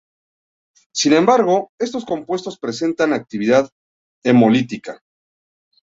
Sin embargo, estos compuestos presentan actividad hemolítica.